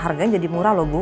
harganya jadi murah loh bu